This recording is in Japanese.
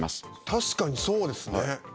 確かにそうですね。